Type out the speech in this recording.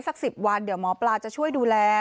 สัก๑๐วันเดี๋ยวหมอปลาจะช่วยดูแล